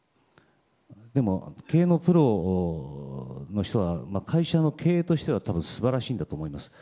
でも、経営のプロの人は会社の経営としては多分、素晴らしいんだと思います。